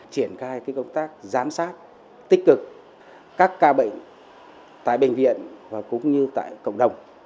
triển khai công tác giám sát tích cực các ca bệnh tại bệnh viện và cũng như tại cộng đồng